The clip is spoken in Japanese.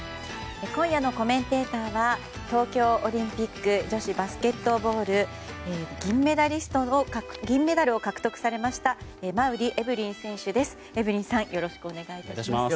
今夜のコメンテーターは東京オリンピック女子バスケットボールで銀メダルを獲得されました馬瓜エブリン選手です。